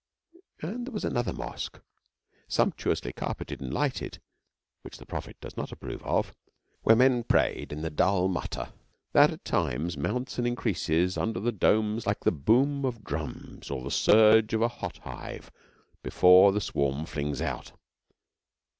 And there was another mosque, sumptuously carpeted and lighted (which the Prophet does not approve of), where men prayed in the dull mutter that, at times, mounts and increases under the domes like the boom of drums or the surge of a hot hive before the swarm flings out.